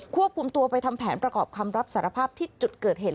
ควบคุมตัวไปทำแผนประกอบคำรับสารภาพที่จุดเกิดเหตุ